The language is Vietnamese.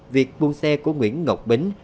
việc buôn xe của nguyễn ngọc bính